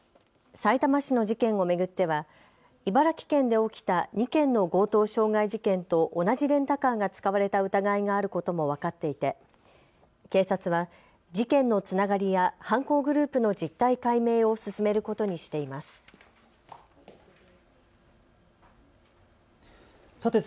さいたま市の事件を巡っては茨城県で起きた２件の強盗傷害事件と同じレンタカーが使われた疑いがあることも分かっていて、警察は事件のつながりや犯行グループの実態解明を進めることにしています。